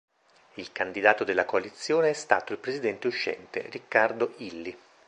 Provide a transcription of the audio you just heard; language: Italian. Il candidato della coalizione è stato il presidente uscente, Riccardo Illy.